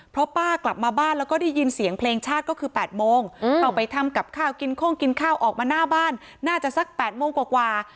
เพราะป้ากลับมาบ้านแล้วก็ได้ยินเสียงเพลงชาติก็คือ๘โมงเข้าไปทำกับข้าวกินโค้งกินข้าวออกมาหน้าบ้านน่าจะสัก๘โมงกว่า